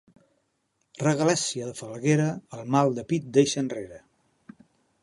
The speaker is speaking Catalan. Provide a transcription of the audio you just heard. Regalèssia de falguera, el mal de pit deixa enrere.